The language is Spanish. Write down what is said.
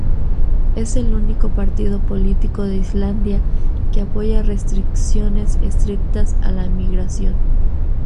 Es el único partido político de Islandia que apoya restricciones estrictas a la inmigración.